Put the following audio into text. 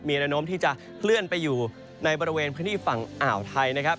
มีระนมที่จะเคลื่อนไปอยู่ในบริเวณพื้นที่ฝั่งอ่าวไทยนะครับ